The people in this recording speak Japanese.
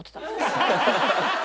ハハハハハ！